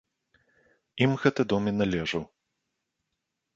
Ім гэты дом і належаў.